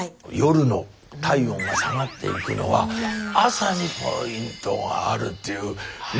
夜の体温が下がっていくのは朝にポイントがあるっていう。